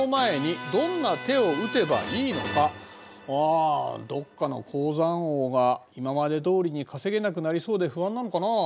あどっかの鉱山王が今までどおりに稼げなくなりそうで不安なのかなあ。